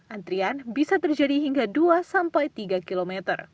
antrian bisa terjadi hingga dua sampai tiga km